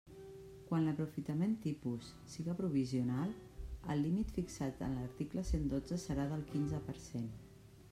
Quan l'aprofitament tipus siga provisional, el límit fixat en l'article cent dotze serà del quinze per cent.